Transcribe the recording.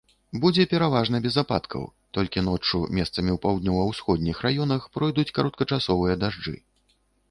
Будзе пераважна без ападкаў, толькі ноччу месцамі ў паўднёва-ўсходніх раёнах пройдуць кароткачасовыя дажджы.